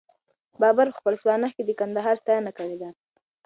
بابر په خپله سوانح کي د کندهار ستاینه کړې ده.